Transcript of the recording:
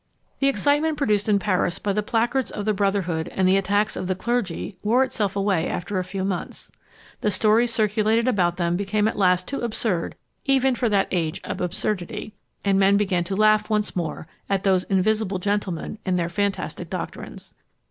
The excitement produced in Paris by the placards of the brotherhood and the attacks of the clergy wore itself away after a few months. The stories circulated about them became at last too absurd even for that age of absurdity, and men began to laugh once more at those invisible gentlemen and their fantastic doctrines.